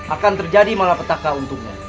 akan terjadi malapetaka untungnya